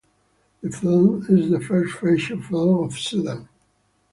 The film is the first feature film of Sudan.